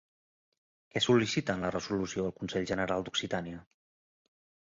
Què sol·licita en la resolució el Consell General d'Occitània?